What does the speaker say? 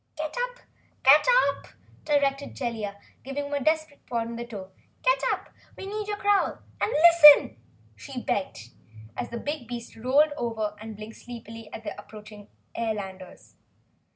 "Get up!" directed Jellia, giving him a desperate prod with her toe. "Get up! We need your growl and LISTEN!" she begged, as the big beast rolled over and blinked sleepily at the approaching airlanders.